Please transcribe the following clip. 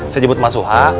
saya jemput mas suha